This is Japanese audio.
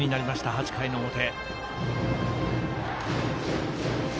８回の表。